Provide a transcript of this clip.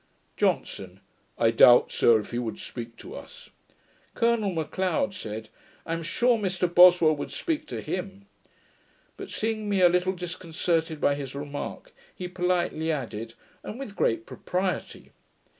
JOHNSON. 'I doubt, sir, if he would speak to us.' Colonel M'Leod said, 'I am sure Mr Boswell would speak to HIM.' But, seeing me a little disconcerted by his remark, he politely added, 'and with great propriety'.